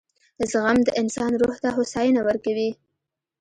• زغم د انسان روح ته هوساینه ورکوي.